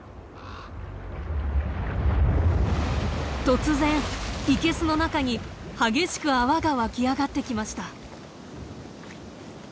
突然生けすの中に激しく泡がわき上がってきました。